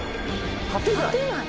立てない？